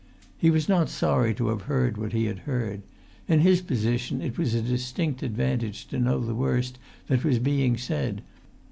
He was not sorry to have heard what he had heard: in his position it was a distinct advantage to know the worst that was being said.